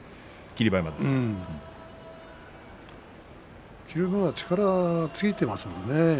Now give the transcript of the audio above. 霧馬山は力がついていますものね。